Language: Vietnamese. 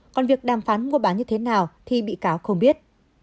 còn việc đàm phán mua bán như thế nào thì bị cáo không biết